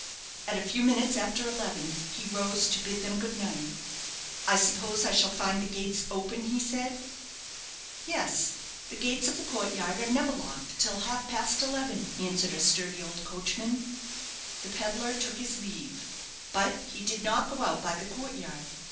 At a few minutes after eleven he rose to bid them good night. "I suppose I shall find the gates open?" he said. "Yes; the gates of the court yard are never locked till half past eleven," answered a sturdy old coachman. The pedlar took his leave; but he did not go out by the court yard.